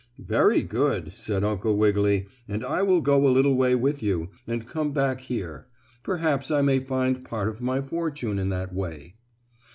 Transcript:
"Very good," said Uncle Wiggily, "and I will go a little way with you, and come back here. Perhaps I may find part of my fortune in that way."